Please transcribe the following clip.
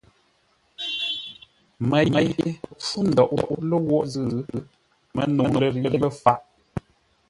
Mə́ ye kə̂ mpfú ńdóʼó ləwoʼ zʉ́, Mə́nəu lə̂r yé lə̂ faʼ.